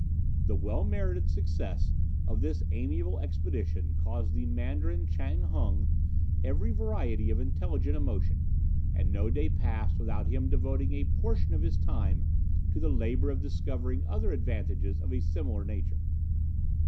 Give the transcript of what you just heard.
"The well merited success of this amiable expedient caused the Mandarin Chan Hung every variety of intelligent emotion, and no day passed without him devoting a portion of his time to the labour of discovering other advantages of a similar nature.